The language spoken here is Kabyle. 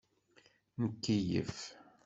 Nkeyyef.